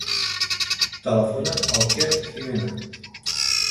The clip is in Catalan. Telefona al Quer Jimena.